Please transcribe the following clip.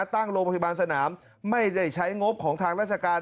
ตั้งโรงพยาบาลสนามไม่ได้ใช้งบของทางราชการ